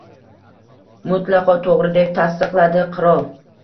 — Mutlaqo to‘g‘ri, — deb tasdiqladi qirol. —